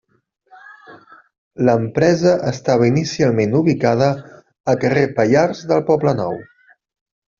L'empresa estava inicialment ubicada al carrer Pallars del Poblenou.